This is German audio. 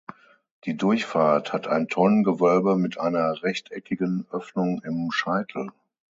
Die Durchfahrt hat ein Tonnengewölbe mit einer rechteckigen Öffnung im Scheitel.